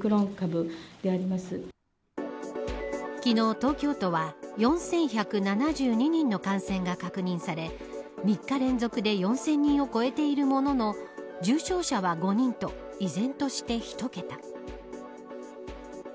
昨日、東京都は４１７２人の感染が確認され３日連続で４０００人を超えているものの重症者は５人と依然として、１桁。